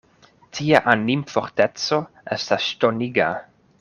Tia animforteco estas ŝtoniga.